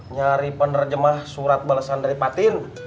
nyari penerjemah surat balasan dari patin